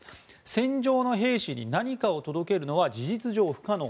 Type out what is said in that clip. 戦場の兵士に何かを届けるのは事実上、不可能。